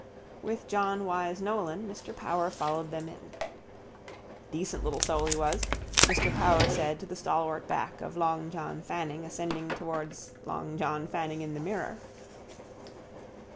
With John Wyse Nolan Mr Power followed them in. —Decent little soul he was, Mr Power said to the stalwart back of long John Fanning ascending towards long John Fanning in the mirror.